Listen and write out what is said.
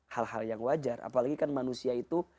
hal hal yang wajar apalagi kan manusia itu